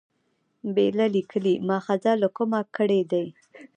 بېله لیکلي مأخذه له کومه کړي دي.